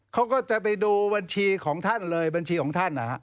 เขาก็จะไปดูบัญชีของท่านเลยบัญชีของท่าน